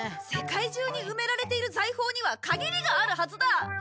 世界中に埋められている財宝には限りがあるはずだ！